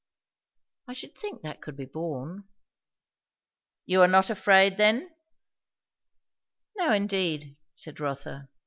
"I should think that could be borne." "You are not afraid, then?" "No, indeed," said Rotha.